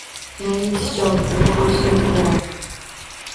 Yaʼni, shijoatini oshirib yuboradi.